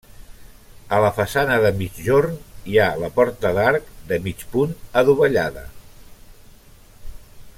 A la façana de migjorn hi ha la porta d'arc de mig punt adovellada.